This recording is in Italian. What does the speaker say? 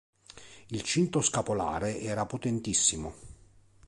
Il cinto scapolare era potentissimo.